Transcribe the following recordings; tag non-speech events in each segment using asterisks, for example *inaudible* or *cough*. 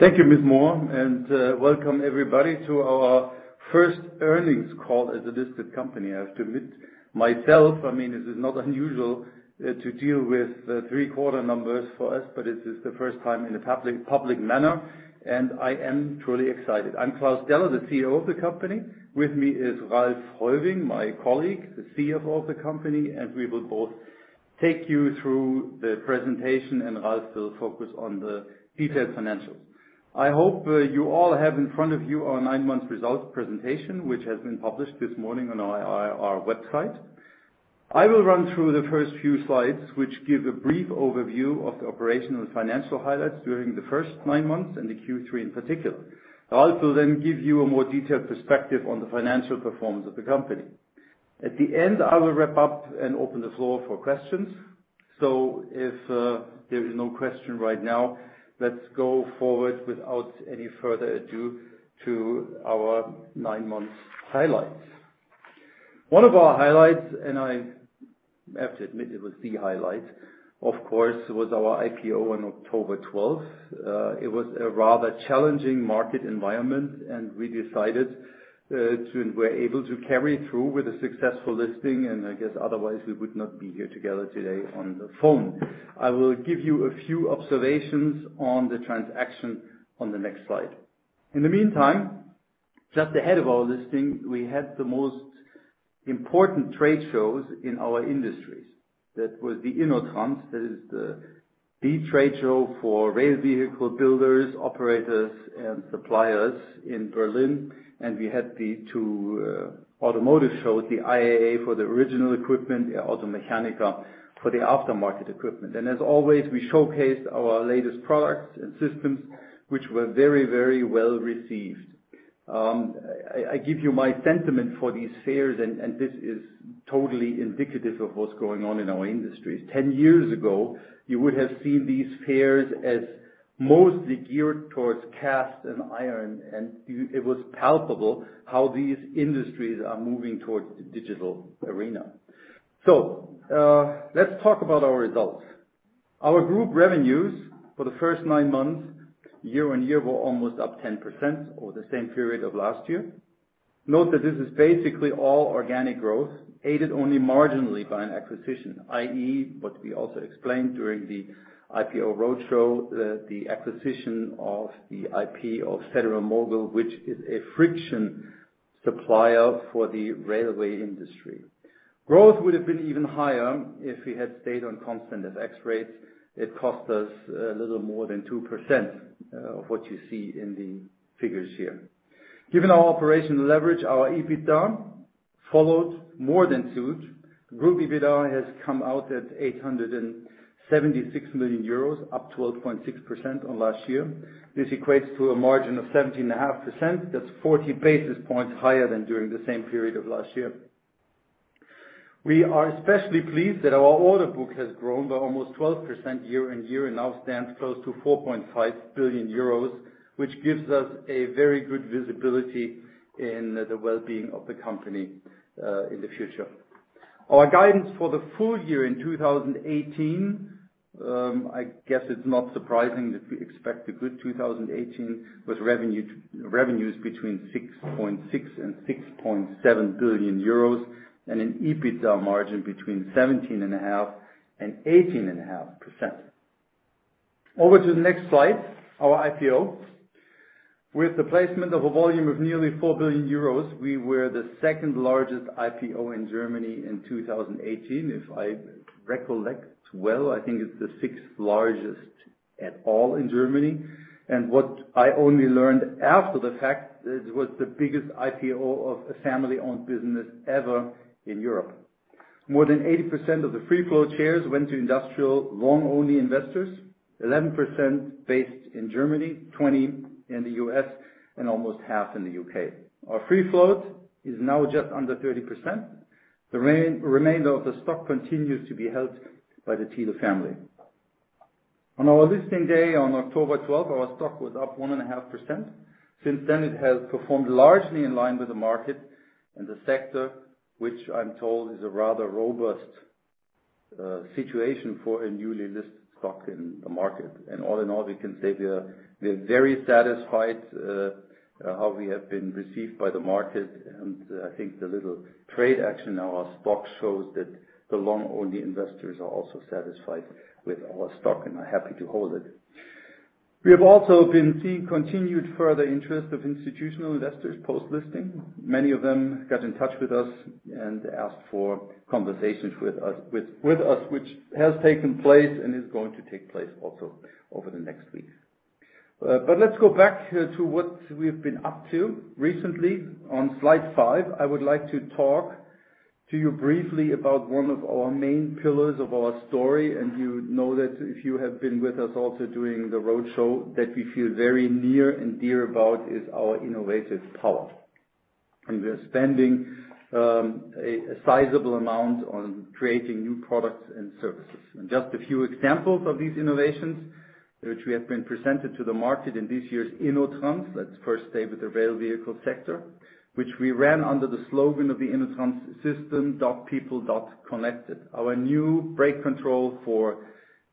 Thank you, Ms. [Mohr], welcome everybody to our first earnings call as a listed company. I have to admit myself, I mean, this is not unusual to deal with three quarter numbers for us, but this is the first time in a public manner, I am truly excited. I'm Klaus Deller, the CEO of the company. With me is Ralph Heuwing, my colleague, the CFO of the company, we will both take you through the presentation, Ralph will focus on the detailed financials. I hope you all have in front of you our nine-month results presentation, which has been published this morning on our website. I will run through the first few slides, which give a brief overview of the operational and financial highlights during the first nine months and the Q3 in particular. Ralph will give you a more detailed perspective on the financial performance of the company. At the end, I will wrap up and open the floor for questions. If there is no question right now, let's go forward without any further ado to our nine-month highlights. One of our highlights, I have to admit it was the highlight, of course, was our IPO on October 12th. It was a rather challenging market environment and we decided to and were able to carry through with a successful listing. I guess otherwise we would not be here together today on the phone. I will give you a few observations on the transaction on the next slide. In the meantime, just ahead of our listing, we had the most important trade shows in our industries. That was the InnoTrans. That is the trade show for rail vehicle builders, operators, and suppliers in Berlin. We had the two automotive shows, the IAA for the original equipment, the Automechanika for the aftermarket equipment. As always, we showcased our latest products and systems, which were very well received. I give you my sentiment for these fairs, this is totally indicative of what's going on in our industries. 10 years ago, you would have seen these fairs as mostly geared towards cast and iron, it was palpable how these industries are moving towards the digital arena. Let's talk about our results. Our group revenues for the first nine months year-on-year were almost up 10% over the same period of last year. Note that this is basically all organic growth, aided only marginally by an acquisition, i.e., what we also explained during the IPO roadshow, the acquisition of the IP of Federal-Mogul, which is a friction supplier for the railway industry. Growth would have been even higher if we had stayed on constant FX rates. It cost us a little more than 2% of what you see in the figures here. Given our operational leverage, our EBITDA followed more than suit. Group EBITDA has come out at 876 million euros, up 12.6% on last year. This equates to a margin of 17.5%. That's 40 basis points higher than during the same period of last year. We are especially pleased that our order book has grown by almost 12% year-over-year and now stands close to 4.5 billion euros, which gives us a very good visibility in the wellbeing of the company in the future. Our guidance for the full-year in 2018, I guess it's not surprising that we expect a good 2018 with revenues between 6.6 billion and 6.7 billion euros and an EBITDA margin between 17.5% and 18.5%. Over to the next slide, our IPO. With the placement of a volume of nearly 4 billion euros, we were the second largest IPO in Germany in 2018. If I recollect well, I think it's the sixth largest at all in Germany. What I only learned after the fact, it was the biggest IPO of a family-owned business ever in Europe. More than 80% of the free float shares went to industrial long-only investors, 11% based in Germany, 20% in the U.S., and almost half in the U.K. Our free float is now just under 30%. The remainder of the stock continues to be held by the Thiele family. On our listing day on October 12th, our stock was up 1.5%. Since then, it has performed largely in line with the market and the sector, which I'm told is a rather robust situation for a newly listed stock in the market. All in all, we can say we are very satisfied how we have been received by the market, and I think the little trade action of our stock shows that the long-only investors are also satisfied with our stock and are happy to hold it. We have also been seeing continued further interest of institutional investors post-listing. Many of them got in touch with us and asked for conversations with us, which has taken place and is going to take place also over the next weeks. Let's go back to what we've been up to recently. On slide five, I would like to talk to you briefly about one of our main pillars of our story, and you know that if you have been with us also during the road show, that we feel very near and dear about is our innovative power. And we are spending a sizable amount on creating new products and services. Just a few examples of these innovations, which we have been presented to the market in this year's InnoTrans, let's first stay with the Rail Vehicle Systems, which we ran under the slogan of the InnoTrans system, .people.connected. Our new brake control for,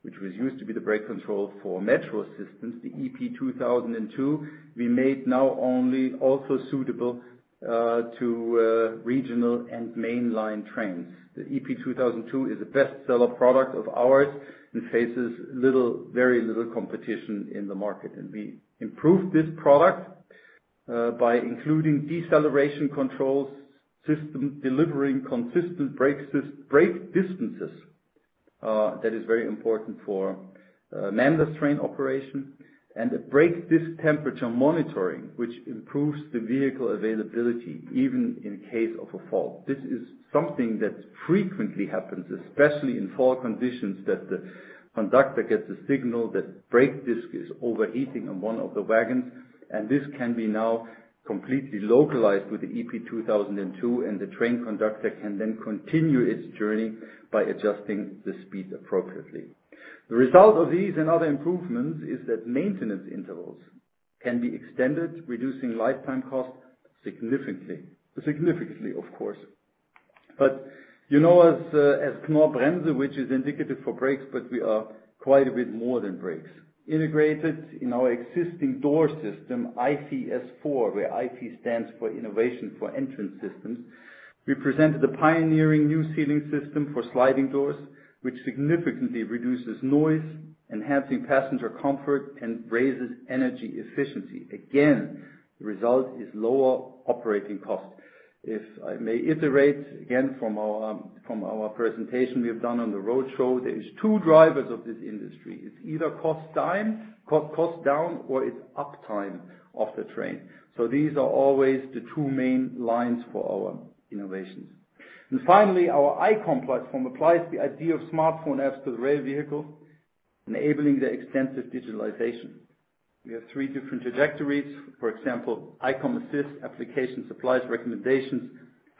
which was used to be the brake control for metro systems, the EP 2002, we made now only also suitable to regional and mainline trains. The EP 2002 is the best-seller product of ours and faces very little competition in the market. We improved this product by including deceleration control system, delivering consistent brake distances. That is very important for manned train operation. A brake disc temperature monitoring, which improves the vehicle availability even in case of a fault. This is something that frequently happens, especially in fall conditions, that the conductor gets a signal that brake disc is overheating on one of the wagons, and this can be now completely localized with the EP 2002, and the train conductor can then continue its journey by adjusting the speed appropriately. The result of these and other improvements is that maintenance intervals can be extended, reducing lifetime costs significantly. Significantly, of course. As Knorr-Bremse, which is indicative for brakes, but we are quite a bit more than brakes. Integrated in our existing door system, iCS4, where iC stands for innovation for entrance systems. We presented a pioneering new sealing system for sliding doors, which significantly reduces noise, enhancing passenger comfort, and raises energy efficiency. Again, the result is lower operating costs. If I may iterate again from our presentation we have done on the road show, there are two drivers of this industry. It is either cost down or it is uptime of the train. These are always the two main lines for our innovations. Finally, our iCOM platform applies the idea of smartphone apps to the rail vehicle, enabling the extensive digitalization. We have three different trajectories. For example, iCOM Assist application supplies recommendations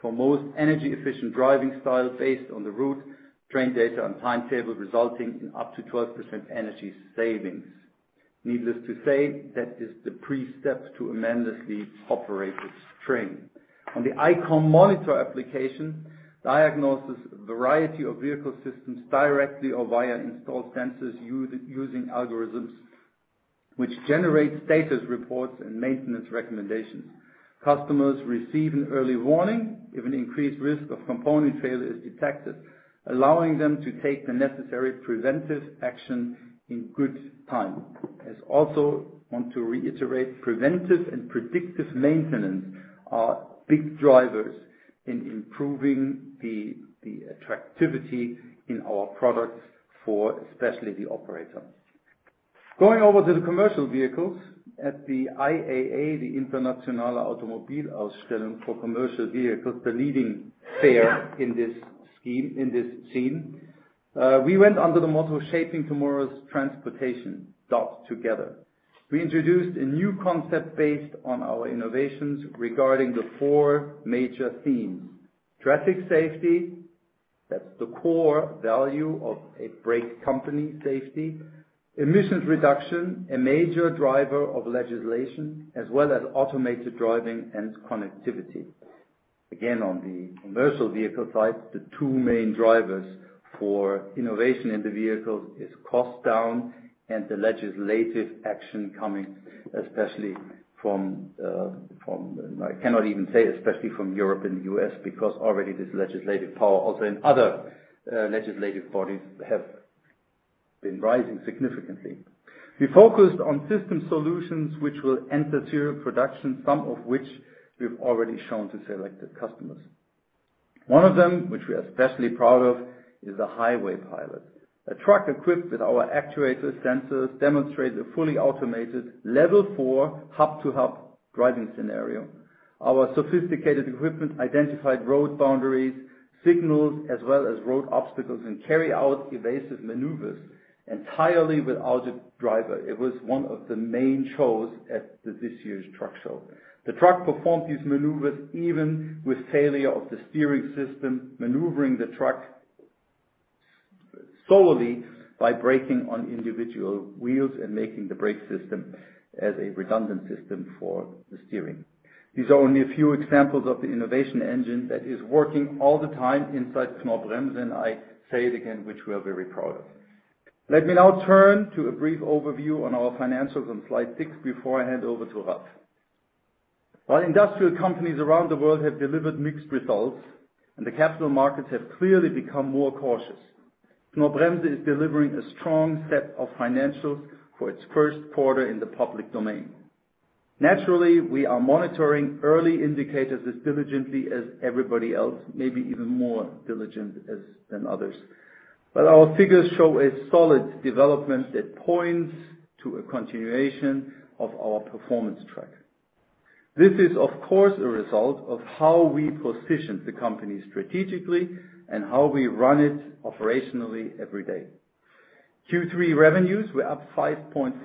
for most energy-efficient driving style based on the route, train data, and timetable, resulting in up to 12% energy savings. Needless to say, that is the pre-step to a manless operated train. The iCOM Monitor application diagnoses a variety of vehicle systems directly or via installed sensors using algorithms which generate status reports and maintenance recommendations. Customers receive an early warning if an increased risk of component failure is detected, allowing them to take the necessary preventive action in good time. I also want to reiterate, preventive and predictive maintenance are big drivers in improving the attractivity in our products for especially the operators. Going over to the commercial vehicles at the IAA, the Internationale Automobil-Ausstellung for commercial vehicles, the leading fair in this scene. We went under the motto, shaping tomorrow's transportation dot together. We introduced a new concept based on our innovations regarding the four major themes. Traffic safety, that is the core value of a brake company safety, emissions reduction, a major driver of legislation, as well as automated driving and connectivity. Again, on the commercial vehicle side, the two main drivers for innovation in the vehicles is cost down and the legislative action coming, especially from, I cannot even say, especially from Europe and the U.S. because already this legislative power also in other legislative bodies have been rising significantly. We focused on system solutions which will enter serial production, some of which we have already shown to selected customers. One of them, which we are especially proud of, is a Highway Pilot. A truck equipped with our actuator sensors demonstrate a fully automated Level 4 hub-to-hub driving scenario. Our sophisticated equipment identified road boundaries, signals, as well as road obstacles and carry out evasive maneuvers entirely without a driver. It was one of the main shows at this year's truck show. The truck performed these maneuvers even with failure of the steering system, maneuvering the truck solely by braking on individual wheels and making the brake system as a redundant system for the steering. These are only a few examples of the innovation engine that is working all the time inside Knorr-Bremse, and I say it again, which we are very proud of. Let me now turn to a brief overview on our financials on slide six before I hand over to Ralph. While industrial companies around the world have delivered mixed results and the capital markets have clearly become more cautious, Knorr-Bremse is delivering a strong set of financials for its Q1 in the public domain. Naturally, we are monitoring early indicators as diligently as everybody else, maybe even more diligent than others. But our figures show a solid development that points to a continuation of our performance track. This is, of course, a result of how we position the company strategically and how we run it operationally every day. Q3 revenues were up 5.4%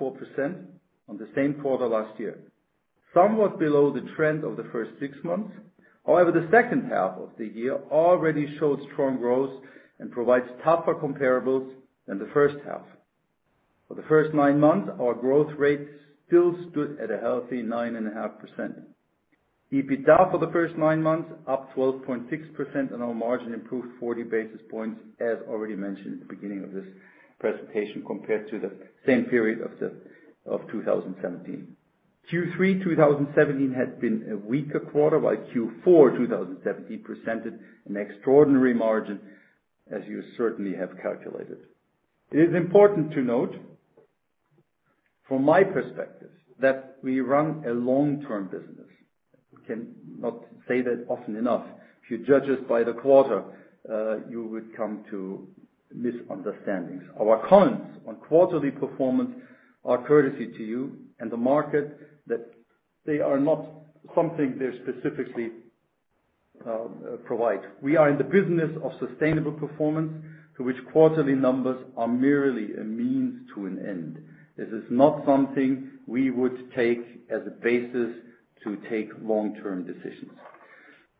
on the same quarter last year, somewhat below the trend of the first six months. However, the H2 of the year already showed strong growth and provides tougher comparables than the H1. For the first nine months, our growth rate still stood at a healthy 9.5%. EBITDA for the first nine months up 12.6% and our margin improved 40 basis points, as already mentioned at the beginning of this presentation, compared to the same period of 2017. Q3 2017 had been a weaker quarter, while Q4 2017 presented an extraordinary margin, as you certainly have calculated. It is important to note, from my perspective, that we run a long-term business. We cannot say that often enough. If you judge us by the quarter, you would come to misunderstandings. Our comments on quarterly performance are courtesy to you and the market that they are not something they specifically provide. We are in the business of sustainable performance to which quarterly numbers are merely a means to an end. This is not something we would take as a basis to take long-term decisions.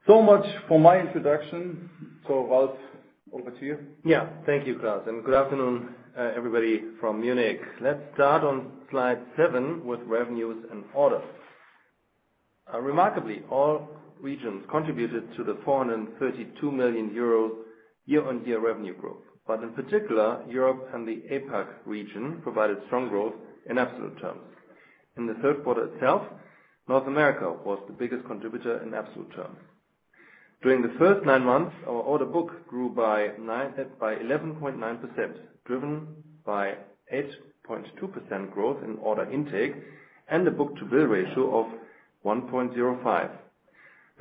So much for my introduction. Ralph, over to you. Thank you, Klaus, and good afternoon, everybody from Munich. Let's start on slide seven with revenues and orders. Remarkably, all regions contributed to the 432 million euro year-on-year revenue growth. In particular, Europe and the APAC region provided strong growth in absolute terms. In the Q3 itself, North America was the biggest contributor in absolute terms. During the first nine months, our order book grew by 11.9%, driven by 8.2% growth in order intake and a book-to-bill ratio of 1.05.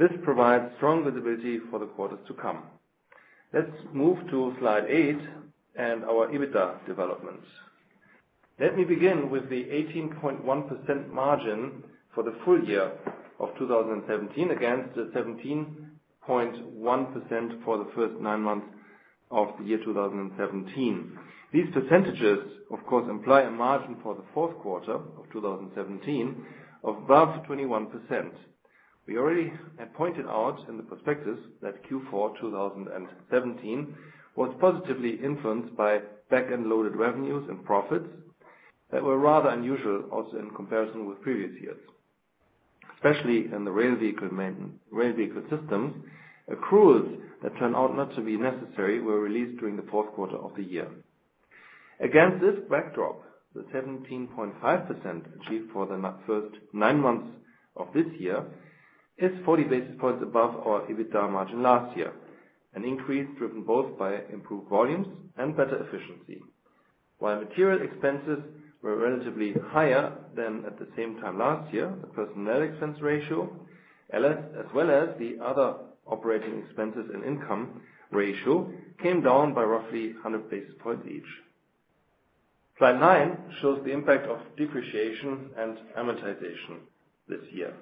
This provides strong visibility for the quarters to come. Let's move to slide eight and our EBITDA development. Let me begin with the 18.1% margin for the full-year of 2017 against the 17.1% for the first nine months of the year 2017. These percentages, of course, imply a margin for the Q4 of 2017 of above 21%. We already had pointed out in the prospectus that Q4 2017 was positively influenced by back-end loaded revenues and profits that were rather unusual, also in comparison with previous years. Especially in the Rail Vehicle Systems, accruals that turned out not to be necessary were released during the Q4 of the year. Against this backdrop, the 17.5% achieved for the first nine months of this year is 40 basis points above our EBITDA margin last year, an increase driven both by improved volumes and better efficiency. While material expenses were relatively higher than at the same time last year, the personnel expense ratio, as well as the other operating expenses and income ratio, came down by roughly 100 basis points each. Slide nine shows the impact of depreciation and amortization this year.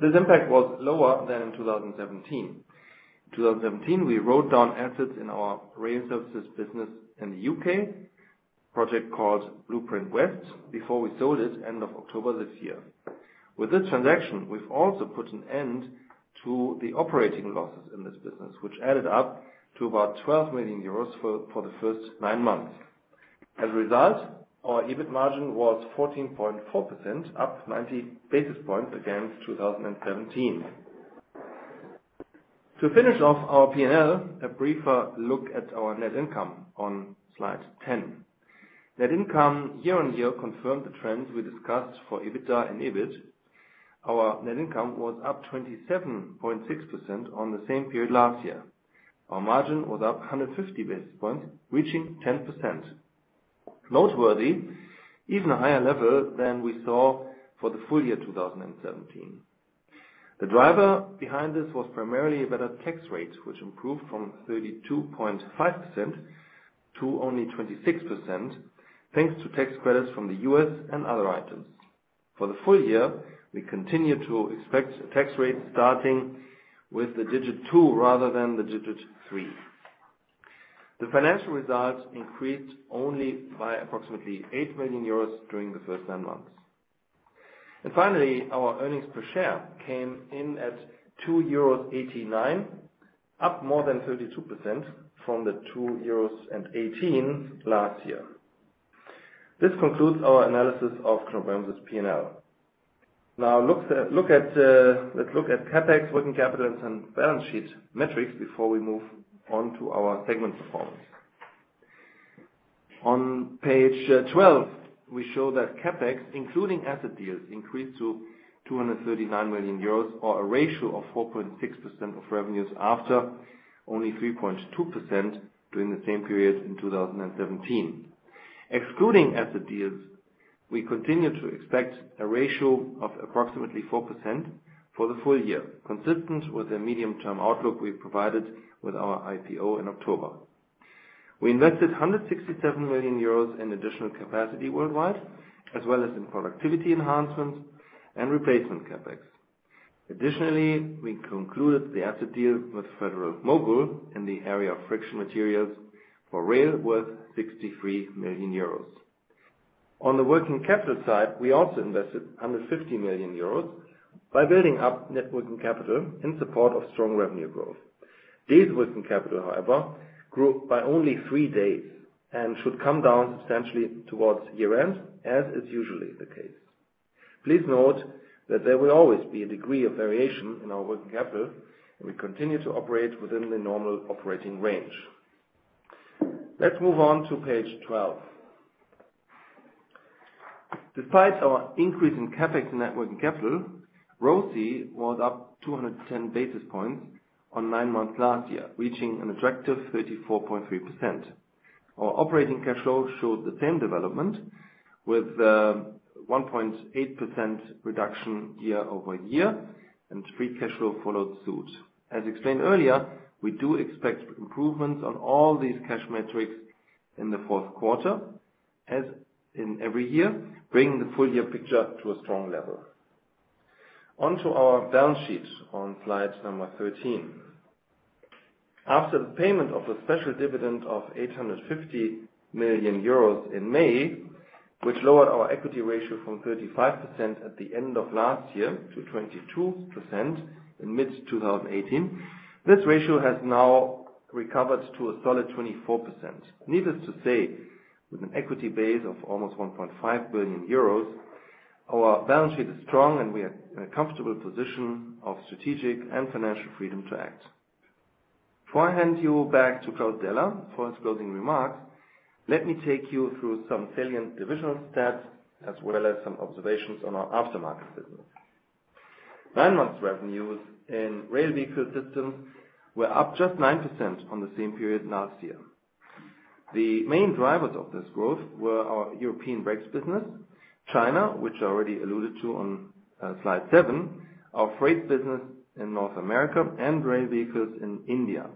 This impact was lower than in 2017. In 2017, we wrote down assets in our rail services business in the U.K., a project called Blueprint West, before we sold it end of October this year. With this transaction, we've also put an end to the operating losses in this business, which added up to about 12 million euros for the first nine months. As a result, our EBIT margin was 14.4%, up 90 basis points against 2017. To finish off our P&L, a briefer look at our net income on slide 10. Net income year-on-year confirmed the trends we discussed for EBITDA and EBIT. Our net income was up 27.6% on the same period last year. Our margin was up 150 basis points, reaching 10%. Noteworthy, even a higher level than we saw for the full-year 2017. The driver behind this was primarily a better tax rate, which improved from 32.5% to only 26%, thanks to tax credits from the U.S. and other items. For the full-year, we continue to expect a tax rate starting with the digit two rather than the digit three. The financial results increased only by approximately 8 million euros during the first nine months. Finally, our earnings per share came in at 2.89 euros, up more than 32% from the 2.18 euros last year. This concludes our analysis of Knorr-Bremse's P&L. Now let's look at CapEx, working capital, and some balance sheet metrics before we move on to our segment performance. On page 12, we show that CapEx, including asset deals, increased to 239 million euros, or a ratio of 4.6% of revenues after only 3.2% during the same period in 2017. Excluding asset deals, we continue to expect a ratio of approximately 4% for the full-year, consistent with the medium-term outlook we provided with our IPO in October. We invested 167 million euros in additional capacity worldwide, as well as in productivity enhancements and replacement CapEx. We concluded the asset deal with Federal-Mogul in the area of friction materials for rail worth 63 million euros. On the working capital side, we also invested under 50 million euros by building up net working capital in support of strong revenue growth. Days working capital, however, grew by only three days and should come down substantially towards year-end, as is usually the case. Please note that there will always be a degree of variation in our working capital, and we continue to operate within the normal operating range. Let's move on to page 12. Despite our increase in CapEx net working capital, ROCE was up 210 basis points on nine months last year, reaching an attractive 34.3%. Our operating cash flow showed the same development with a 1.8% reduction year-over-year, and free cash flow followed suit. As explained earlier, we do expect improvements on all these cash metrics in the Q4 as in every year, bringing the full-year picture to a strong level. On to our balance sheet on slide number 13. After the payment of the special dividend of 850 million euros in May, which lowered our equity ratio from 35% at the end of last year to 22% in mid-2018, this ratio has now recovered to a solid 24%. Needless to say, with an equity base of almost 1.5 billion euros, our balance sheet is strong, and we are in a comfortable position of strategic and financial freedom to act. Before I hand you back to Klaus Deller for his closing remarks, let me take you through some salient divisional stats as well as some observations on our aftermarket business. Nine months revenues in Rail Vehicle Systems were up just 9% on the same period last year. The main drivers of this growth were our European Brakes business, China, which I already alluded to on slide seven, our Freight business in North America, and Rail Vehicles in India.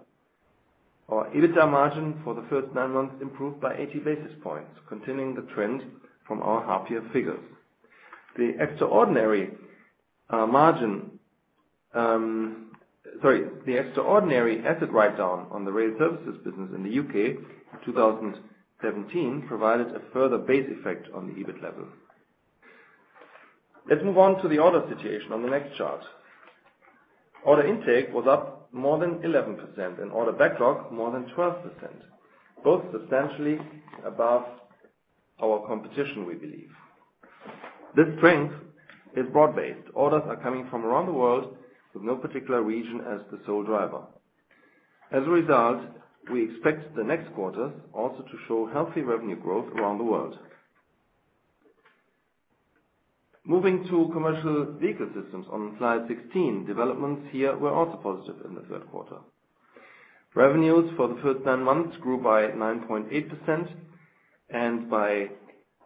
Our EBITDA margin for the first nine months improved by 80 basis points, continuing the trend from our half year figures. The extraordinary asset write-down on the Rail Services business in the U.K. in 2017 provided a further base effect on the EBIT level. Let's move on to the order situation on the next chart. Order intake was up more than 11%, and order backlog more than 12%, both substantially above our competition, we believe. This strength is broad-based. Orders are coming from around the world with no particular region as the sole driver. As a result, we expect the next quarter also to show healthy revenue growth around the world. Moving to Commercial Vehicle Systems on slide 16, developments here were also positive in the Q3. Revenues for the first nine months grew by 9.8% and by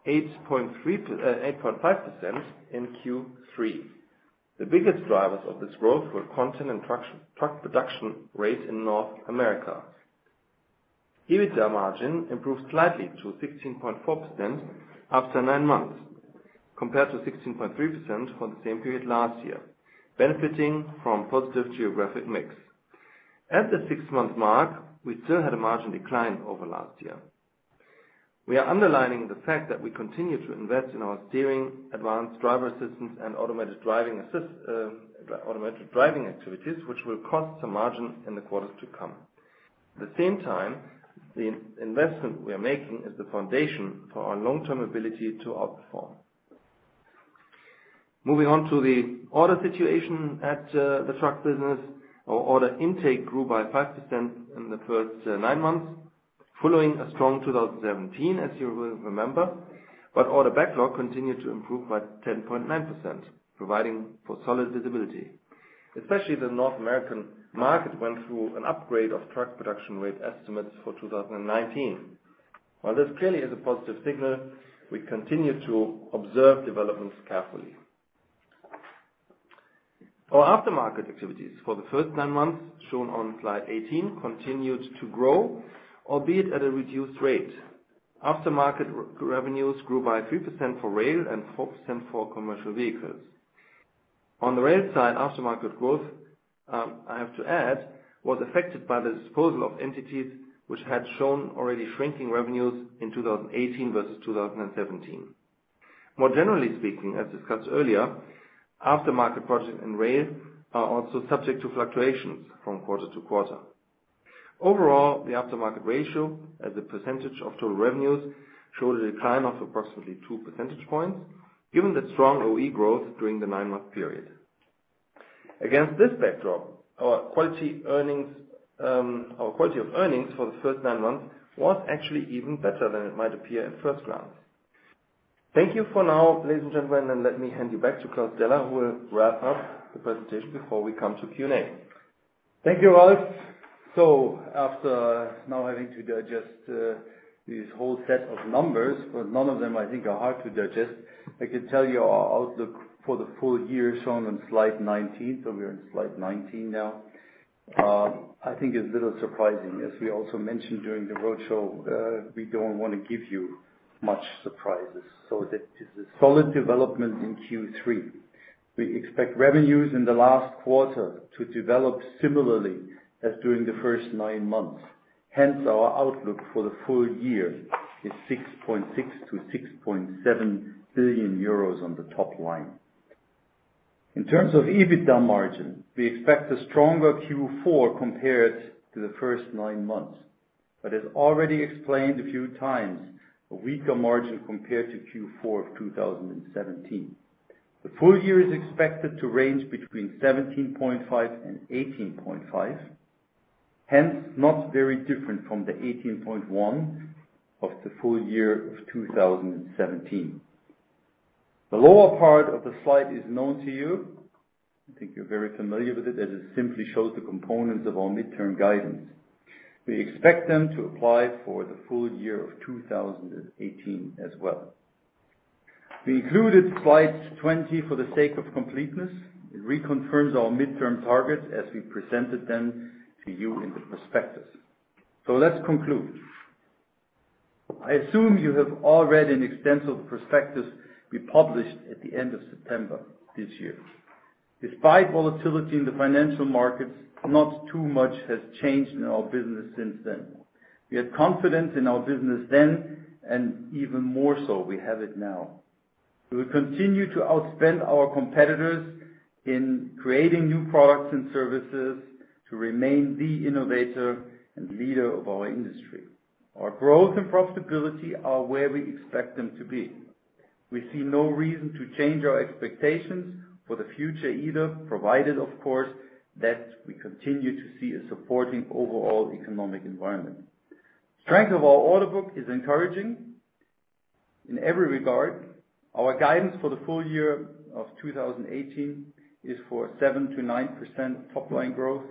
8.5% in Q3. The biggest drivers of this growth were content and truck production rates in North America. EBITDA margin improved slightly to 16.4% after nine months, compared to 16.3% for the same period last year, benefiting from positive geographic mix. At the six-month mark, we still had a margin decline over last year. We are underlining the fact that we continue to invest in our steering, Advanced Driver Assistance, and automatic driving activities, which will cost the margin in the quarters to come. At the same time, the investment we are making is the foundation for our long-term ability to outperform. Moving on to the order situation at the truck business. Our order intake grew by 5% in the first nine months, following a strong 2017, as you will remember. Order backlog continued to improve by 10.9%, providing for solid visibility. Especially the North American market went through an upgrade of truck production rate estimates for 2019. While this clearly is a positive signal, we continue to observe developments carefully. Our aftermarket activities for the first nine months shown on slide 18 continued to grow, albeit at a reduced rate. Aftermarket revenues grew by 3% for rail and 4% for commercial vehicles. On the rail side, aftermarket growth, I have to add, was affected by the disposal of entities which had shown already shrinking revenues in 2018 versus 2017. More generally speaking, as discussed earlier, aftermarket projects in rail are also subject to fluctuations from quarter-to-quarter. Overall, the aftermarket ratio as a percentage of total revenues showed a decline of approximately two percentage points given the strong OE growth during the nine-month period. Against this backdrop, our quality of earnings for the first nine months was actually even better than it might appear at first glance. Thank you for now, ladies and gentlemen, and let me hand you back to Klaus Deller, who will wrap up the presentation before we come to Q&A. Thank you, Ralph. After now having to digest this whole set of numbers, none of them, I think, are hard to digest. I can tell you our outlook for the full-year shown on slide 19. We are in slide 19 now. I think it's a little surprising. As we also mentioned during the roadshow, we don't want to give you much surprises. This is a solid development in Q3. We expect revenues in the last quarter to develop similarly as during the first nine months. Hence, our outlook for the full-year is 6.6 billion-6.7 billion euros on the top line. In terms of EBITDA margin, we expect a stronger Q4 compared to the first nine months. As already explained a few times, a weaker margin compared to Q4 of 2017. The full-year is expected to range between 17.5% and 18.5%, hence not very different from the 18.1% of the full-year of 2017. The lower part of the slide is known to you. I think you're very familiar with it, as it simply shows the components of our midterm guidance. We expect them to apply for the full-year of 2018 as well. We included slide 20 for the sake of completeness. It reconfirms our midterm targets as we presented them to you in the prospectus. Let's conclude. I assume you have all read an extensive prospectus we published at the end of September this year. Despite volatility in the financial markets, not too much has changed in our business since then. We had confidence in our business then, and even more so we have it now. We will continue to outspend our competitors in creating new products and services to remain the innovator and leader of our industry. Our growth and profitability are where we expect them to be. We see no reason to change our expectations for the future either, provided of course, that we continue to see a supporting overall economic environment. Strength of our order book is encouraging in every regard. Our guidance for the full-year of 2018 is for 7%-9% top line growth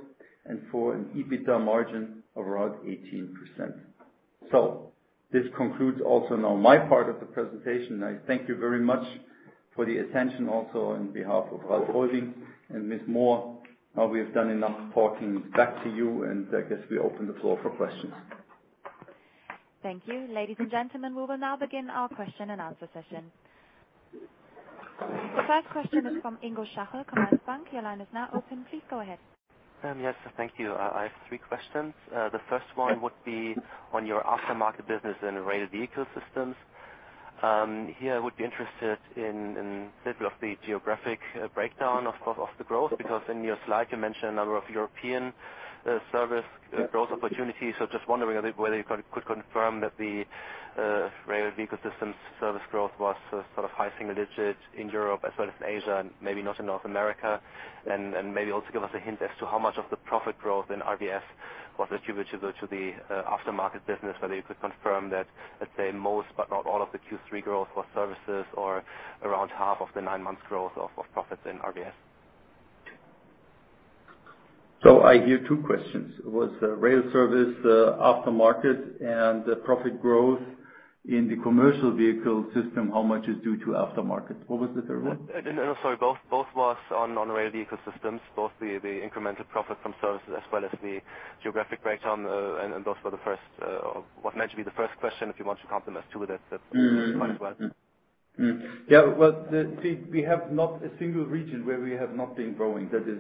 and for an EBITDA margin of around 18%. This concludes also now my part of the presentation. I thank you very much for the attention also on behalf of Ralph Heuwing and Ms. [Mohr]. We have done enough talking. Back to you, I guess we open the floor for questions. Thank you. Ladies and gentlemen, we will now begin our question-and-answer session. The first question is from Ingo Schachel, Commerzbank. Your line is now open. Please go ahead. Yes, thank you. I have three questions. The first one would be on your aftermarket business in Rail Vehicle Systems. Here, I would be interested in a little of the geographic breakdown, of course, of the growth, because in your slide, you mentioned a number of European service growth opportunities. Just wondering whether you could confirm that the Rail Vehicle Systems service growth was high single digits in Europe as well as in Asia, and maybe not in North America. Maybe also give us a hint as to how much of the profit growth in RVS was attributable to the aftermarket business, whether you could confirm that, let's say, most but not all of the Q3 growth was services or around half of the nine months growth of profits in RVS. I hear two questions. Was rail service aftermarket and profit growth in the Commercial Vehicle Systems, how much is due to aftermarket? What was the third one? Sorry, both was on Rail Vehicle Systems, both the incremental profit from services as well as the geographic breakdown. Those were what meant to be the first question, if you want to complement two with it, that's fine as well. Yeah. Well, see, we have not a single region where we have not been growing. That is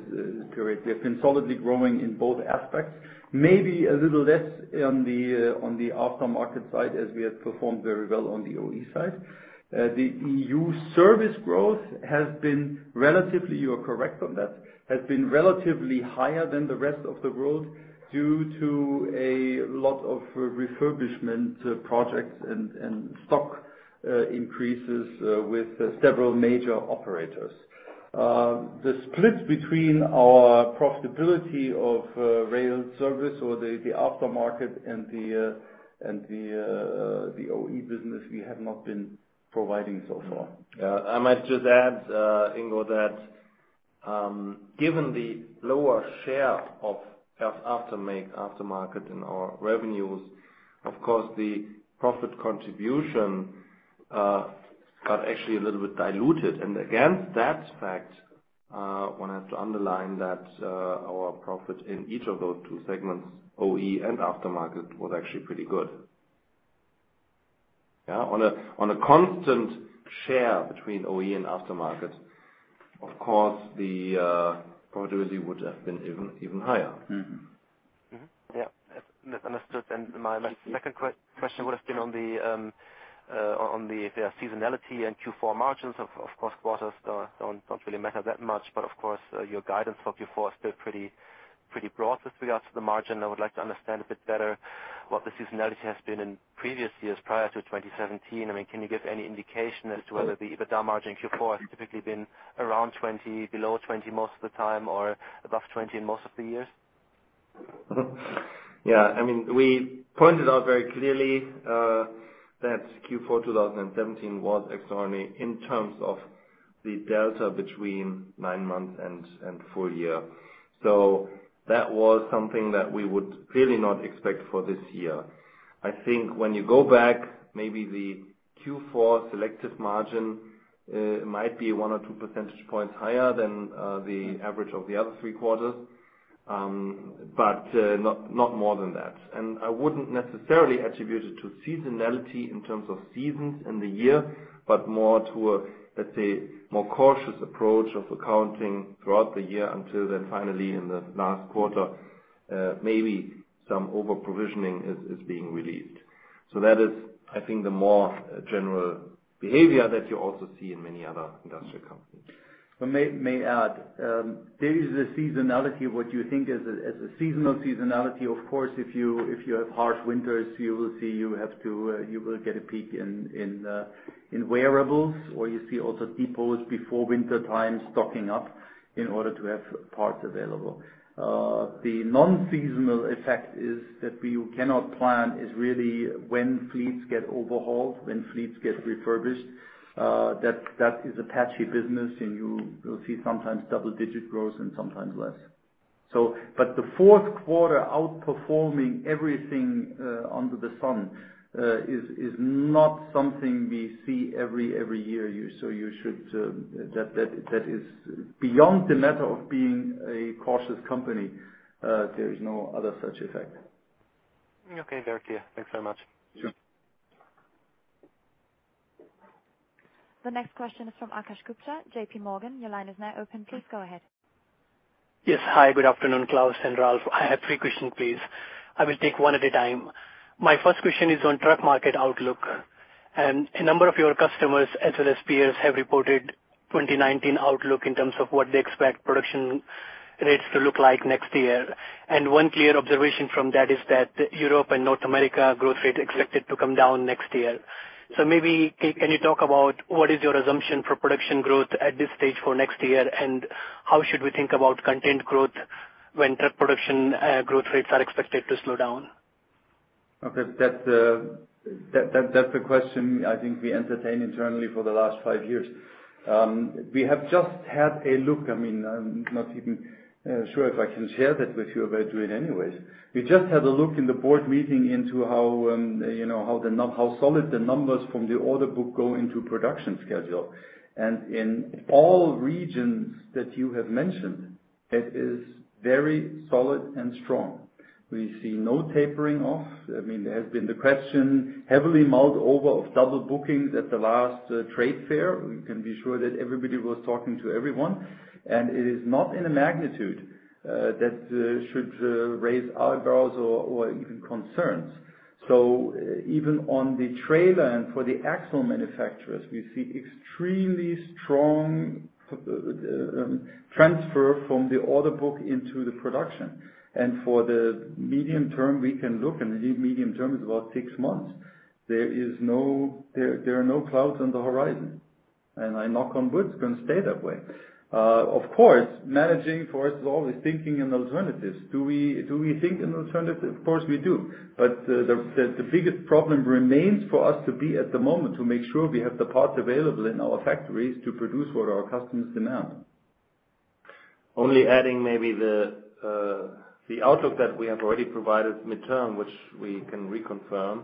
correct. We have been solidly growing in both aspects, maybe a little less on the aftermarket side as we have performed very well on the OE side. The EU service growth, you are correct on that, has been relatively higher than the rest of the world due to a lot of refurbishment projects and stock increases with several major operators. The split between our profitability of rail service or the aftermarket and the OE business, we have not been providing so far. I might just add, Ingo, that given the lower share of aftermarket in our revenues, of course, the profit contribution got actually a little bit diluted. Against that fact, one has to underline that our profit in each of those two segments, OE and aftermarket, was actually pretty good. On a constant share between OE and aftermarket, of course, the profitability would have been even higher. That's understood. My second question would have been on the seasonality and Q4 margins. Of course, quarters don't really matter that much, but of course, your guidance for Q4 is still pretty broad with regards to the margin. I would like to understand a bit better what the seasonality has been in previous years prior to 2017. Can you give any indication as to whether the EBITDA margin in Q4 has typically been around 20%, below 20% most of the time, or above 20% in most of the years? We pointed out very clearly that Q4 2017 was extraordinary in terms of the delta between nine months and full-year. That was something that we would clearly not expect for this year. I think when you go back, maybe the Q4 selective margin might be one or two percentage points higher than the average of the other three quarters. Not more than that. I wouldn't necessarily attribute it to seasonality in terms of seasons in the year, but more to a, let's say, more cautious approach of accounting throughout the year until then finally in the last quarter, maybe some over-provisioning is being released. That is, I think, the more general behavior that you also see in many other industrial companies. I may add. There is a seasonality, what you think is a seasonal seasonality, of course, if you have harsh winters, you will see you will get a peak in wearables or you see also depots before wintertime stocking up in order to have parts available. The non-seasonal effect is that we cannot plan is really when fleets get overhauled, when fleets get refurbished. That is a patchy business and you will see sometimes double-digit growth and sometimes less. The Q4 outperforming everything under the sun is not something we see every year. That is beyond the matter of being a cautious company. There is no other such effect. Okay, *inaudible* yeah. Thanks so much. Sure. The next question is from Akash Gupta, JPMorgan. Your line is now open. Please go ahead. Yes. Hi, good afternoon, Klaus and Ralph. I have three questions, please. I will take one at a time. My first question is on truck market outlook. A number of your customers as well as peers have reported 2019 outlook in terms of what they expect production rates to look like next year. One clear observation from that is that Europe and North America growth rate expected to come down next year. Maybe, can you talk about what is your assumption for production growth at this stage for next year, and how should we think about content growth when truck production growth rates are expected to slow down? Okay. That's a question I think we entertain internally for the last five years. We have just had a look. I'm not even sure if I can share that with you, but I do it anyways. We just had a look in the board meeting into how solid the numbers from the order book go into production schedule. In all regions that you have mentioned, it is very solid and strong. We see no tapering off. There has been the question heavily mulled over of double bookings at the last trade fair. We can be sure that everybody was talking to everyone. It is not in a magnitude that should raise eyebrows or even concerns. Even on the trailer and for the axle manufacturers, we see extremely strong transfer from the order book into the production. For the medium term, we can look, and the medium term is about six months. There are no clouds on the horizon. I knock on wood, it's going to stay that way. Of course, managing for us is always thinking in alternatives. Do we think in alternatives? Of course, we do. The biggest problem remains for us to be at the moment to make sure we have the parts available in our factories to produce what our customers demand. Only adding maybe the outlook that we have already provided midterm, which we can reconfirm,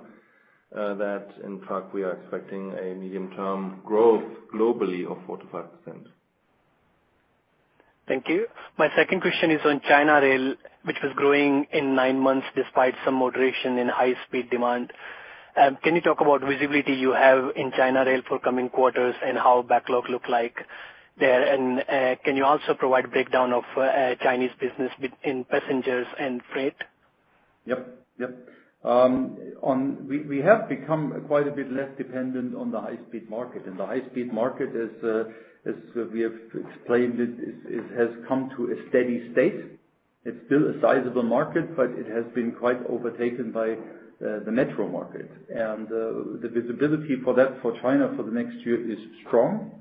that in fact, we are expecting a medium-term growth globally of 4% to 5%. Thank you. My second question is on China Rail, which was growing in nine months despite some moderation in high-speed demand. Can you talk about visibility you have in China Rail for coming quarters and how backlog look like there? Can you also provide a breakdown of Chinese business in passengers and freight? Yep. We have become quite a bit less dependent on the high-speed market. The high-speed market, as we have explained it has come to a steady state. It's still a sizable market, but it has been quite overtaken by the metro market. The visibility for that for China for the next year is strong.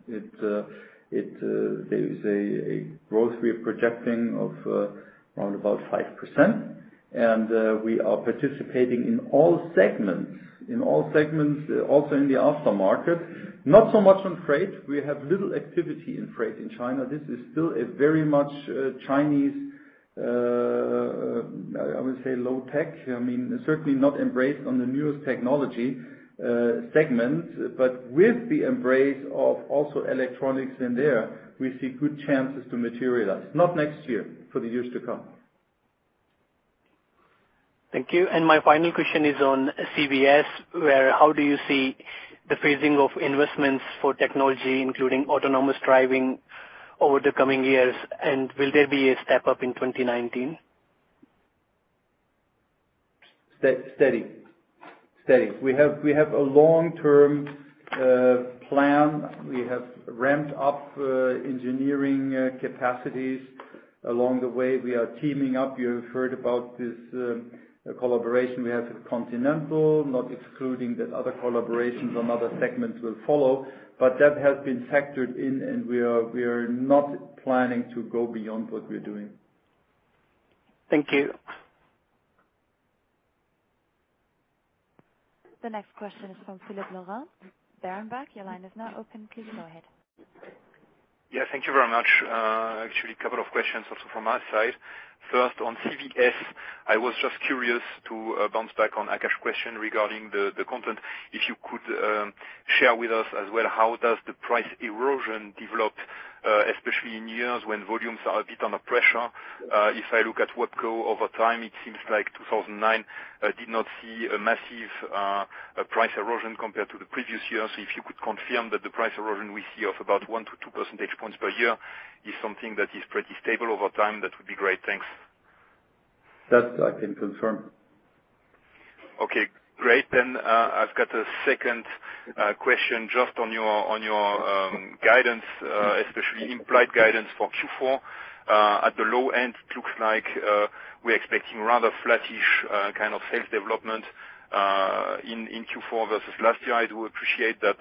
There is a growth we are projecting of around about 5%. We are participating in all segments, also in the aftermarket. Not so much on freight. We have little activity in freight in China. This is still a very much Chinese, I would say, low-tech. Certainly not embraced on the newest technology segment, but with the embrace of also electronics in there, we see good chances to materialize. Not next year, for the years to come. Thank you. My final question is on CVS, where how do you see the phasing of investments for technology, including autonomous driving over the coming years? Will there be a step up in 2019? Steady. We have a long-term plan. We have ramped up engineering capacities along the way. We are teaming up. You have heard about this collaboration we have with Continental, not excluding that other collaborations on other segments will follow, that has been factored in we are not planning to go beyond what we are doing. Thank you. The next question is from Philippe Lorrain, Berenberg. Your line is now open. Please go ahead. Yeah. Thank you very much. Actually a couple of questions also from my side. First on CVS, I was just curious to bounce back on Akash's question regarding the content. If you could share with us as well, how does the price erosion develop, especially in years when volumes are a bit under pressure? If I look at what grew over time, it seems like 2009 did not see a massive price erosion compared to the previous years. If you could confirm that the price erosion we see of about 1 to 2 percentage points per year is something that is pretty stable over time, that would be great. Thanks. That I can confirm. Okay, great. I've got a second question just on your guidance, especially implied guidance for Q4. At the low end, it looks like we're expecting rather flattish kind of sales development in Q4 versus last year. I do appreciate that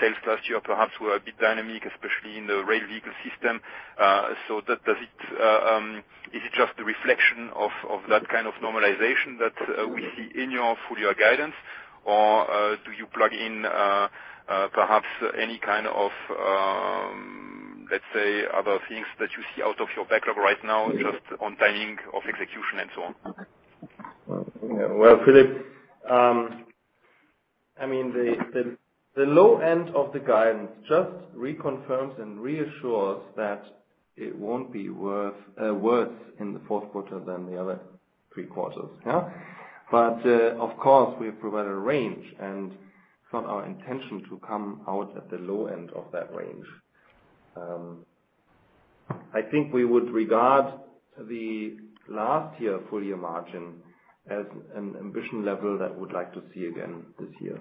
sales last year perhaps were a bit dynamic, especially in the Rail Vehicle Systems. Is it just a reflection of that kind of normalization that we see in your full-year guidance, or do you plug in perhaps any kind of, let's say, other things that you see out of your backlog right now, just on timing of execution and so on? Well, Philippe, the low end of the guidance just reconfirms and reassures that it won't be worse in the Q4 than the other three quarters. Of course, we provide a range and it's not our intention to come out at the low end of that range. I think we would regard the last year full-year margin as an ambition level that we would like to see again this year.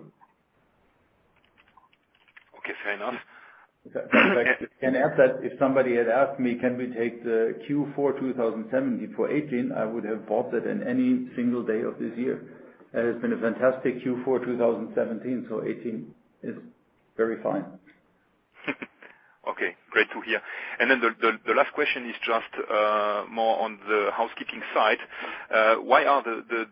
Okay, fair enough. If somebody had asked me, "Can we take the Q4 2017 for 2018?" I would have bought that in any single day of this year. It has been a fantastic Q4 2017, so 2018 is very fine. Okay, great to hear. The last question is just more on the housekeeping side. Why are the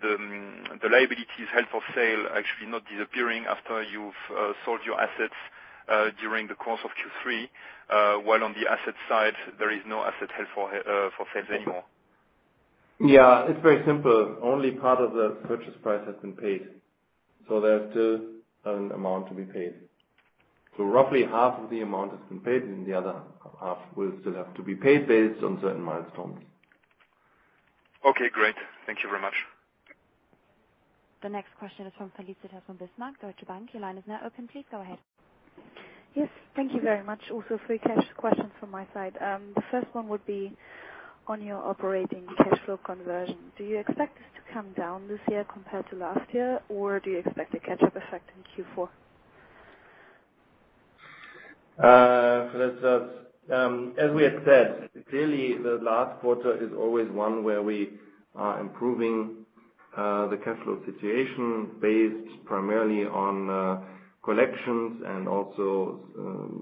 liabilities held for sale actually not disappearing after you've sold your assets during the course of Q3, while on the asset side there is no asset held for sale anymore? It's very simple. Only part of the purchase price has been paid. There's still an amount to be paid. Roughly half of the amount has been paid and the other half will still have to be paid based on certain milestones. Okay, great. Thank you very much. The next question is from Felicitas von Bismarck, Deutsche Bank. Your line is now open. Please go ahead. Yes. Thank you very much. Also three cash questions from my side. The first one would be on your operating cash flow conversion. Do you expect this to come down this year compared to last year, or do you expect a catch-up effect in Q4? Felicitas, as we had said, clearly the last quarter is always one where we are improving the cash flow situation based primarily on collections and also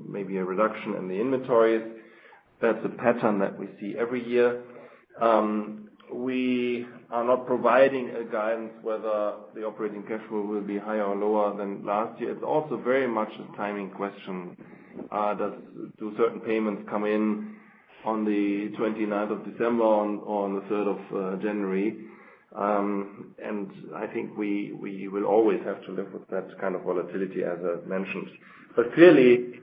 maybe a reduction in the inventories. That's a pattern that we see every year. We are not providing a guidance whether the operating cash flow will be higher or lower than last year. It's also very much a timing question. Do certain payments come in on the 29th of December or on the 3rd of January? I think we will always have to live with that kind of volatility as I mentioned. Clearly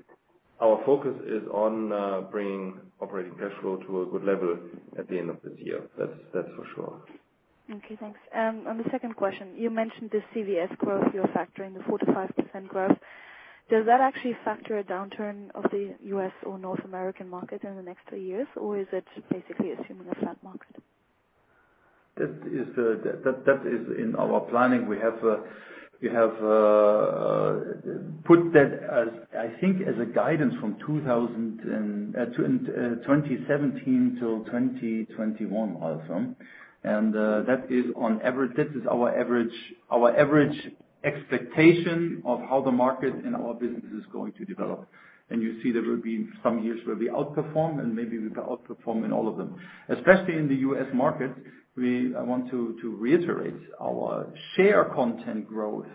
our focus is on bringing operating cash flow to a good level at the end of this year. That's for sure. Okay, thanks. On the second question, you mentioned the CVS growth, you're factoring the 4%-5% growth. Does that actually factor a downturn of the U.S. or North American market in the next three years, or is it basically assuming a flat market? That is in our planning. We have put that, I think, as a guidance from 2017 till 2021, also. That is our average expectation of how the market and our business is going to develop. You see there will be some years where we outperform and maybe we outperform in all of them. Especially in the U.S. market, I want to reiterate our share content growth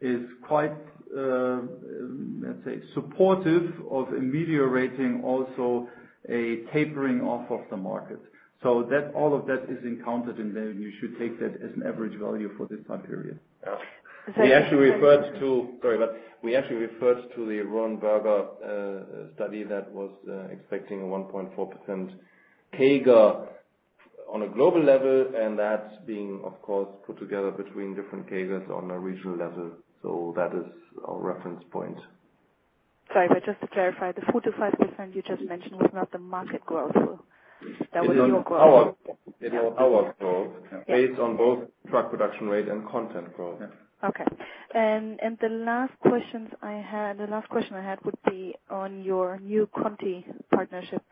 is quite, let's say, supportive of immediately rating also a tapering off of the market. All of that is encountered. You should take that as an average value for this time period. Yeah. We actually referred to. Sorry. Sorry about that. We actually referred to the Roland Berger study that was expecting a 1.4% CAGR on a global level, that's being, of course, put together between different CAGRs on a regional level. That is our reference point. Sorry, just to clarify, the 4%-5% you just mentioned was not the market growth? That was your growth? It was our growth based on both truck production rate and content growth. Okay. The last question I had would be on your new Conti partnership.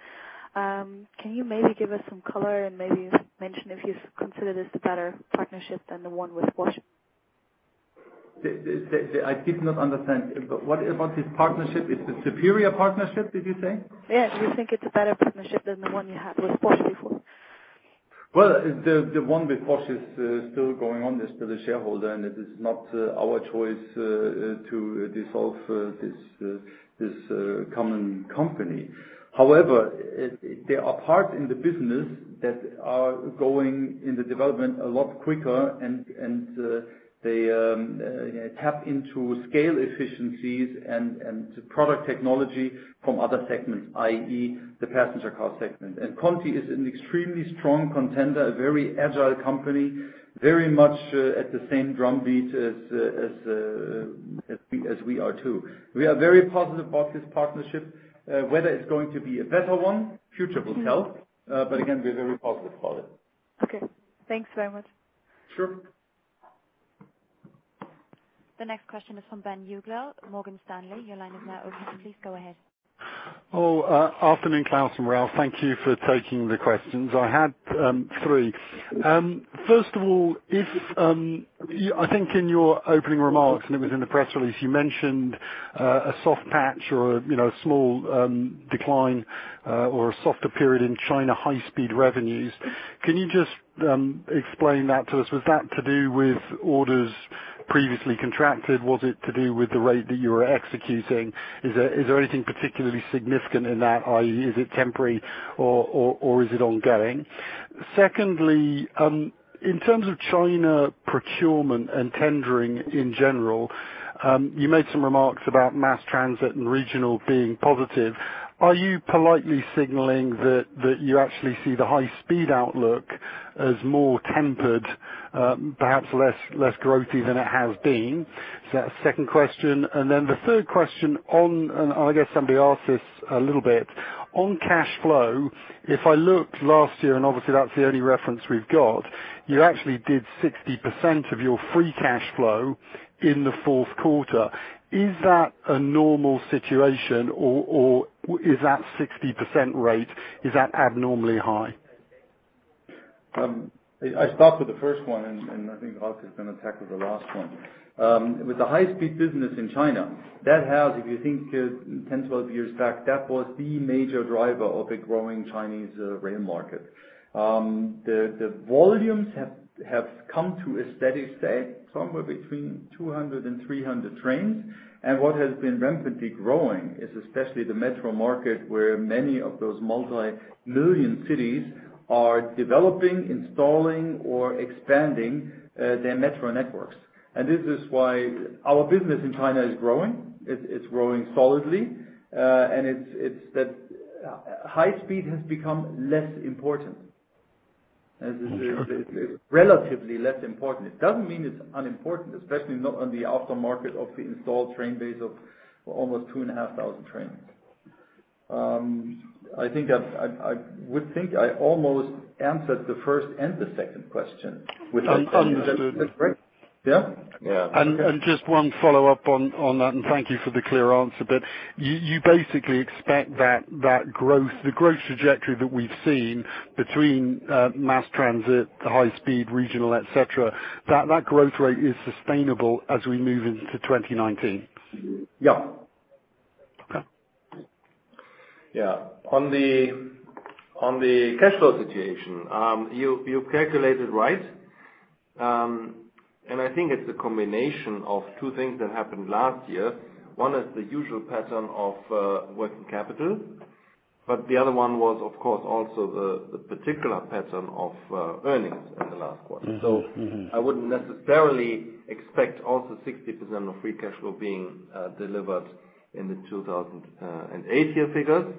Can you maybe give us some color and maybe mention if you consider this a better partnership than the one with Bosch? I did not understand. What about this partnership? It's a superior partnership, did you say? Yeah. Do you think it is a better partnership than the one you had with Bosch before? Well, the one with Bosch is still going on. It is with the shareholder. It is not our choice to dissolve this common company. However, there are parts in the business that are going in the development a lot quicker, and they tap into scale efficiencies and product technology from other segments, i.e., the passenger car segment. Conti is an extremely strong contender, a very agile company, very much at the same drumbeat as we are too. We are very positive about this partnership. Whether it is going to be a better one, future will tell. Again, we are very positive about it. Okay, thanks very much. Sure. The next question is from Ben Uglow, Morgan Stanley. Your line is now open. Please go ahead. Oh, afternoon, Klaus and Ralph. Thank you for taking the questions. I had three. First of all, I think in your opening remarks, it was in the press release, you mentioned a soft patch or a small decline or a softer period in China high-speed revenues. Can you just explain that to us? Was that to do with orders previously contracted? Was it to do with the rate that you were executing? Is there anything particularly significant in that, i.e., is it temporary or is it ongoing? Secondly, in terms of China procurement and tendering in general, you made some remarks about mass transit and regional being positive. Are you politely signaling that you actually see the high-speed outlook as more tempered, perhaps less growthy than it has been? Is that second question. The third question on. On cash flow, if I looked last year, that's the only reference we've got, you actually did 60% of your free cash flow in the Q4. Is that a normal situation or is that 60% rate abnormally high? I'll start with the first one, I think Ralph is going to tackle the last one. With the high-speed business in China, if you think 10, 12 years back, that was the major driver of the growing Chinese rail market. The volumes have come to a steady state, somewhere between 200 and 300 trains. What has been rampantly growing is especially the metro market, where many of those multi-million cities are developing, installing, or expanding their metro networks. This is why our business in China is growing. It's growing solidly. It's that high speed has become less important. Sure. Relatively less important. It doesn't mean it's unimportant, especially not on the after market of the installed train base of almost 2,500 trains. I would think I almost answered the first and the second question. Understood. Yeah? Yeah. Just one follow-up on that, and thank you for the clear answer. You basically expect that the growth trajectory that we've seen between mass transit, high speed, regional, et cetera, that growth rate is sustainable as we move into 2019? Yeah. Okay. Yeah. On the cash flow situation, you calculated right. I think it's a combination of two things that happened last year. One is the usual pattern of working capital. The other one was, of course, also the particular pattern of earnings in the last quarter. I wouldn't necessarily expect also 60% of free cash flow being delivered in the 2018 figures.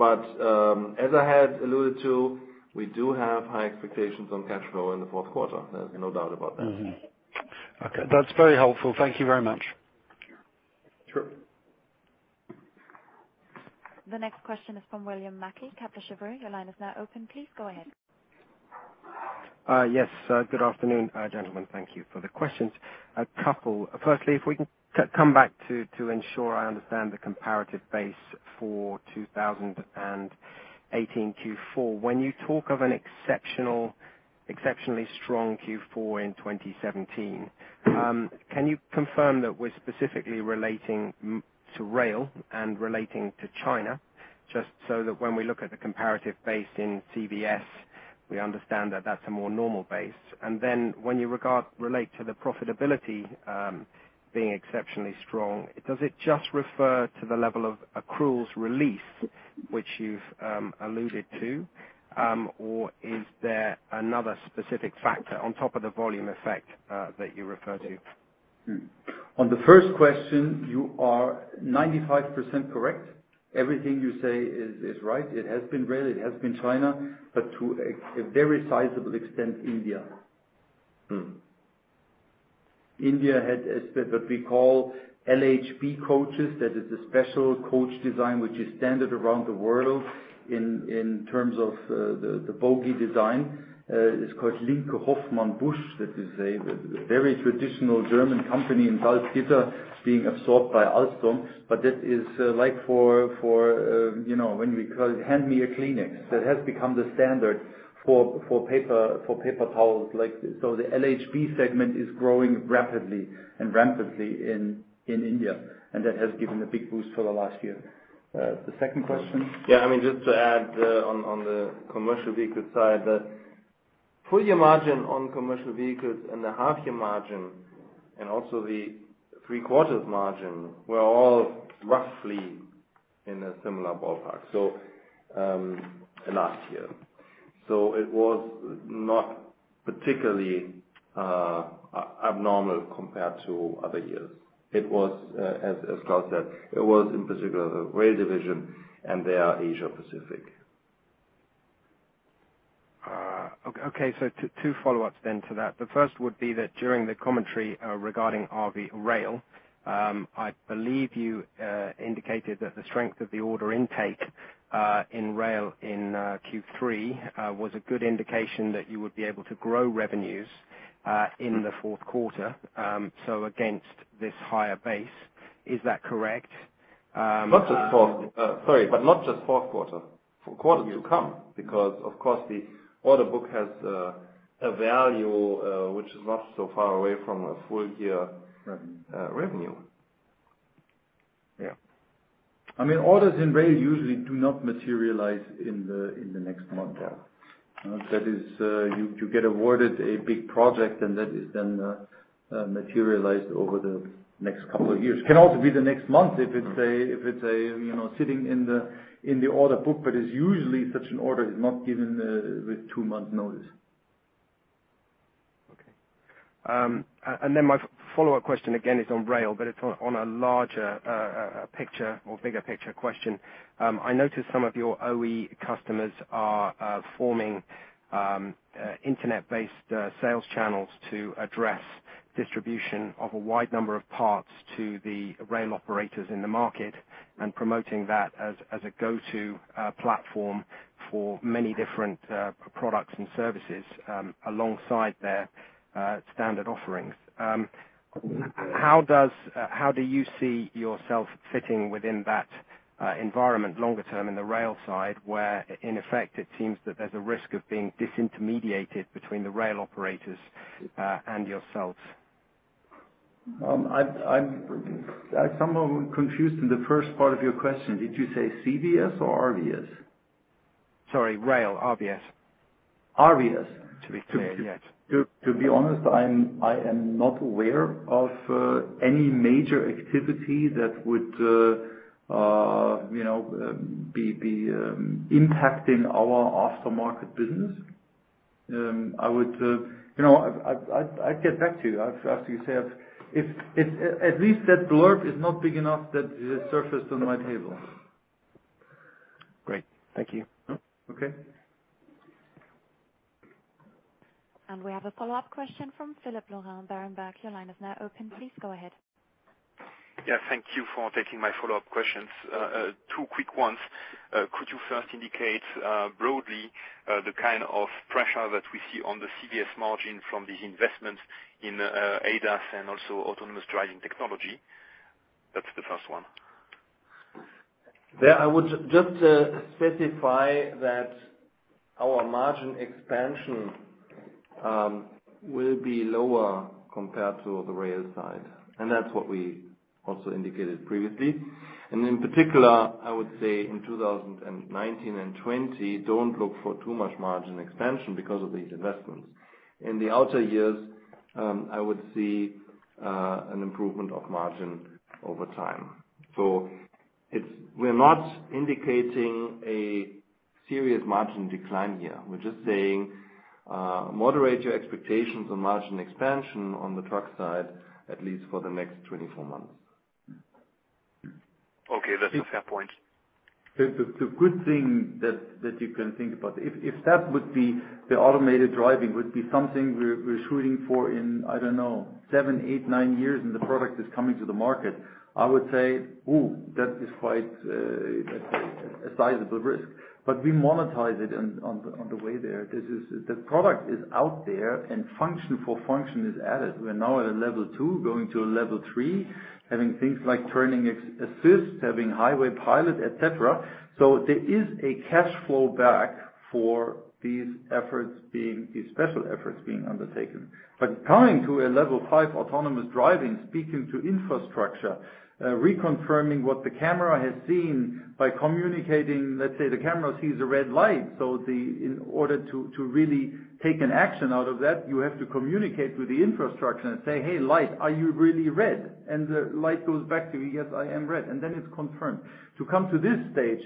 As I had alluded to, we do have high expectations on cash flow in the Q4. No doubt about that. Mm-hmm. Okay. That's very helpful. Thank you very much. Sure. The next question is from William Mackie, Kepler Cheuvreux. Your line is now open. Please go ahead. Yes. Good afternoon, gentlemen. Thank you for the questions. A couple. Firstly, if we can come back to ensure I understand the comparative base for 2018 Q4. When you talk of an exceptionally strong Q4 in 2017, can you confirm that we're specifically relating to rail and relating to China? Just so that when we look at the comparative base in CVS, we understand that that's a more normal base. When you relate to the profitability being exceptionally strong, does it just refer to the level of accruals release, which you've alluded to? Or is there another specific factor on top of the volume effect that you refer to? On the first question, you are 95% correct. Everything you say is right. It has been rail, it has been China. To a very sizable extent, India. India has what we call LHB coaches. That is a special coach design which is standard around the world in terms of the bogey design. It's called Linke-Hofmann-Busch. That is a very traditional German company in Salzgitter being absorbed by Alstom. That is like for when we call it hand me a Kleenex. That has become the standard for paper towels. The LHB segment is growing rapidly and rampantly in India, and that has given a big boost for the last year. The second question? Yeah, just to add on the commercial vehicle side. Full-year margin on commercial vehicles and the half year margin, and also the three quarters margin were all roughly in a similar ballpark, so last year. It was not particularly abnormal compared to other years. It was, as Klaus said, it was in particular the rail division and their Asia Pacific. Okay. Two follow-ups then to that. The first would be that during the commentary regarding RV rail, I believe you indicated that the strength of the order intake in rail in Q3 was a good indication that you would be able to grow revenues in the Q4, so against this higher base. Is that correct? Sorry, but not just Q4. For quarters to come because, of course, the order book has a value which is not so far away from a full-year revenue. Yeah. Orders in rail usually do not materialize in the next month. That is, you get awarded a big project and that is then materialized over the next couple of years. Can also be the next month if it's sitting in the order book, but it's usually such an order is not given with two months notice. My follow-up question again is on rail, but it's on a larger picture or bigger picture question. I noticed some of your OE customers are forming internet-based sales channels to address distribution of a wide number of parts to the rail operators in the market and promoting that as a go-to platform for many different products and services alongside their standard offerings. How do you see yourself fitting within that environment longer term in the rail side, where in effect it seems that there's a risk of being disintermediated between the rail operators and yourselves? I'm somehow confused in the first part of your question. Did you say CVS or RVS? Sorry. Rail, RVS. RVS. To be clear, yes. To be honest, I am not aware of any major activity that would be impacting our aftermarket business. I'd get back to you after you said. At least that blurb is not big enough that it has surfaced on my table. Great. Thank you. Okay. We have a follow-up question from Philippe Lorrain, Berenberg. Your line is now open. Please go ahead. Yeah. Thank you for taking my follow-up questions. Two quick ones. Could you first indicate broadly the kind of pressure that we see on the CVS margin from these investments in ADAS and also autonomous driving technology? That's the first one. I would just specify that our margin expansion will be lower compared to the rail side, and that's what we also indicated previously. In particular, I would say in 2019 and 2020, don't look for too much margin expansion because of these investments. In the outer years, I would see an improvement of margin over time. We're not indicating a serious margin decline here. We're just saying moderate your expectations on margin expansion on the truck side, at least for the next 24 months. Okay. That's a fair point. The good thing that you can think about, if that would be the automated driving would be something we're shooting for in, I don't know, seven, eight, nine years and the product is coming to the market, I would say, ooh, that is quite a sizable risk. We monetize it on the way there. The product is out there and function for function is added. We're now at a Level 2, going to a Level 3, having things like turning assistant, having Highway Pilot, et cetera. There is a cash flow back for these special efforts being undertaken. Coming to a Level 5 autonomous driving, speaking to infrastructure, reconfirming what the camera has seen by communicating, let's say the camera sees a red light. In order to really take an action out of that, you have to communicate with the infrastructure and say, "Hey light, are you really red?" The light goes back to you, "Yes, I am red." Then it's confirmed. To come to this stage,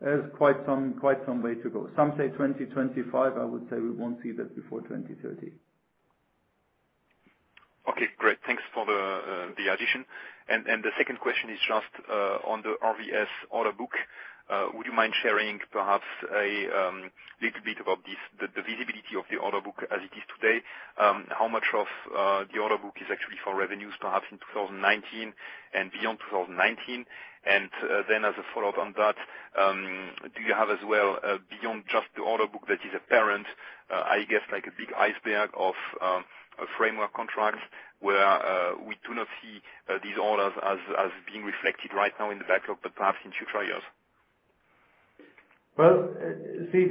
there's quite some way to go. Some say 2025. I would say we won't see that before 2030. Okay, great. Thanks for the addition. The second question is just on the RVS order book. Would you mind sharing perhaps a little bit about the visibility of the order book as it is today? How much of the order book is actually for revenues, perhaps in 2019 and beyond 2019? As a follow-up on that, do you have as well, beyond just the order book that is apparent, I guess like a big iceberg of framework contracts where we do not see these orders as being reflected right now in the backlog, but perhaps in future years? Well, see,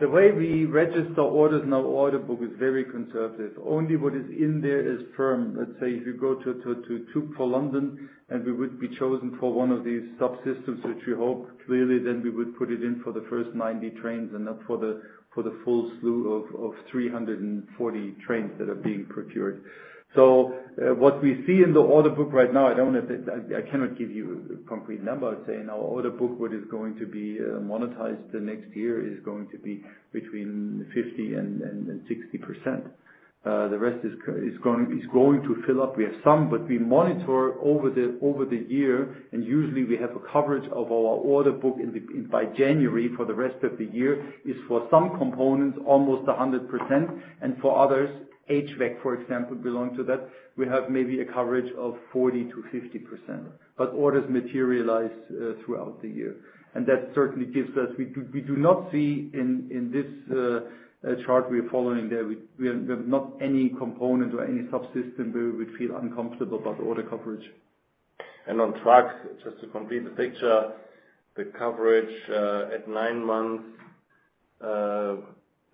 the way we register orders in our order book is very conservative. Only what is in there is firm. Let's say if you go to Transport for London and we would be chosen for one of these subsystems, which we hope, clearly, then we would put it in for the first 90 trains and not for the full slew of 340 trains that are being procured. What we see in the order book right now, I cannot give you a concrete number. I'd say in our order book, what is going to be monetized the next year is going to be between 50% and 60%. The rest is going to fill up. We have some, we monitor over the year, usually we have a coverage of our order book by January for the rest of the year, is for some components, almost 100%, for others, HVAC, for example, belong to that, we have maybe a coverage of 40%-50%. Orders materialize throughout the year. We do not see in this chart we are following there, we have not any component or any subsystem where we would feel uncomfortable about order coverage. On track, just to complete the picture, the coverage at nine months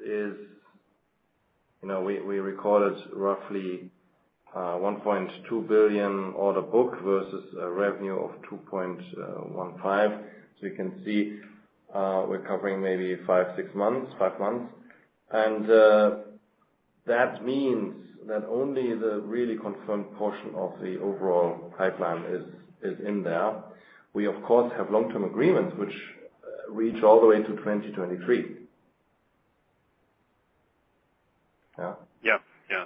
is. We recorded roughly 1.2 billion order book versus a revenue of 2.15. You can see we're covering maybe five, six months, five months. That means that only the really confirmed portion of the overall pipeline is in there. We, of course, have long-term agreements which reach all the way to 2023. Yeah. Yeah.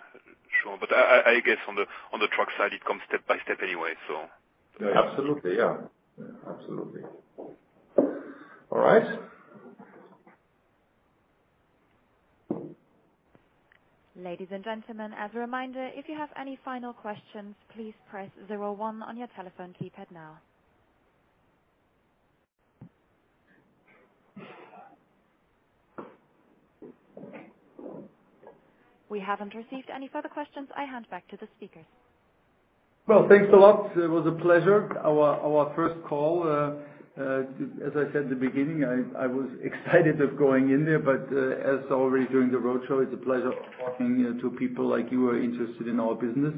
Sure. I guess on the track side, it comes step by step anyway, so. Absolutely, yeah. Absolutely. All right. Ladies and gentlemen, as a reminder, if you have any final questions, please press zero one on your telephone keypad now. We haven't received any further questions. I hand back to the speakers. Well, thanks a lot. It was a pleasure. Our first call, as I said in the beginning, I was excited of going in there, but as already during the roadshow, it's a pleasure talking to people like you who are interested in our business.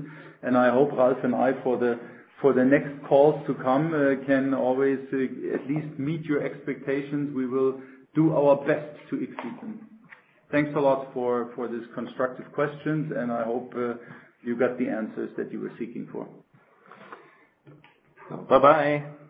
I hope Ralph and I, for the next calls to come, can always at least meet your expectations. We will do our best to exceed them. Thanks a lot for these constructive questions. I hope you got the answers that you were seeking for. Bye-bye.